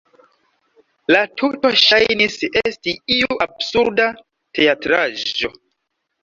La tuto ŝajnis esti iu absurda teatraĵo.